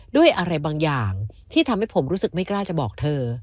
ด้วยอะไรบางอย่างที่ทำให้ผมรู้สึกไม่กล้าจะบอกเธอ